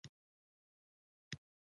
ستا غرور او زور دې تا ته مبارک وي